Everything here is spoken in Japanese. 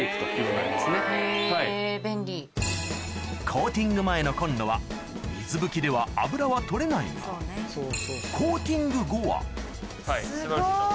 コーティング前のコンロは水拭きでは油は取れないがコーティング後はすごい。